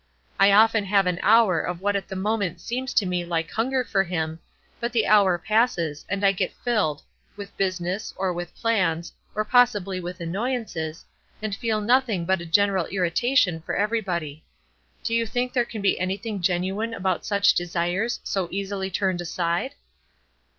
I often have an hour of what at the moment seems to me like hunger for Him, but the hour passes, and I get filled with business, or with plans, or possibly with annoyances, and feel nothing but a general irritation for everybody. Do you think there can be anything genuine about such desires, so easily turned aside?"